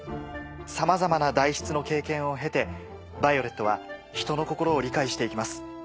さまざまな代筆の経験を経てヴァイオレットは人の心を理解して行きます。